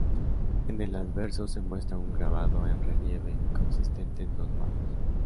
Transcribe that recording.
En el anverso se muestra un grabado en relieve, consistente en dos manos.